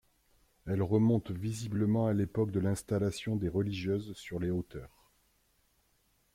Elle remonte visiblement à l'époque de l'installation des religieuses sur les hauteurs.